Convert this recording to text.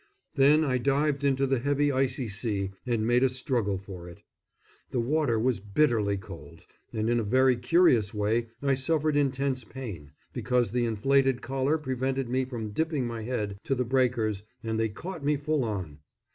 Then I dived into the heavy icy sea and made a struggle for it. The water was bitterly cold, and in a very curious way I suffered intense pain, because the inflated collar prevented me from dipping my head to the breakers and they caught me full on.